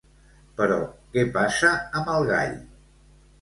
Però què passa amb el gall?